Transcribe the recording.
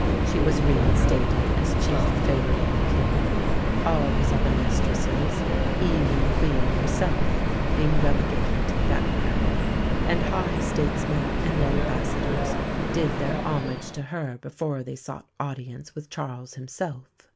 She was reinstated as chief favourite of the King, all his other mistresses even the Queen herself being relegated to the background; and high statesmen and Ambassadors did their homage to her before they sought audience with Charles himself.